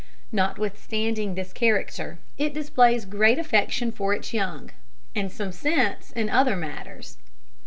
Notwithstanding this character, it displays great affection for its young, and some sense in other matters.